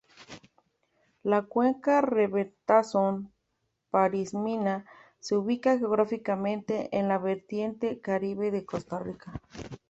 La cuenca Reventazón-Parismina se ubica, geográficamente, en la vertiente Caribe de Costa Rica.